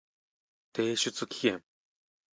提出期限